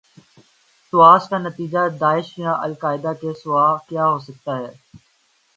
تواس کا نتیجہ داعش یا القاعدہ کے سوا کیا ہو سکتا ہے؟